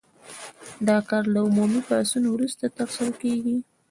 دا کار له عمومي پاڅون وروسته ترسره کیږي.